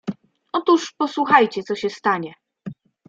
"Otóż posłuchajcie, co się stanie."